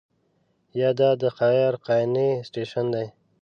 یا دا د خیر خانې سټیشن دی.